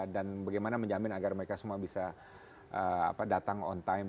dan bagaimana menjamin agar mereka semua bisa datang on time